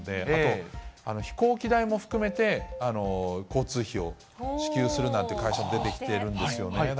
あと、飛行機代も含めて交通費を支給するなんていう会社も出てきてるんですよね。